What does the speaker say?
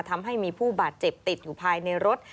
ทำให้มีผู้บาดเจ็บติดอยู่ภายในรถ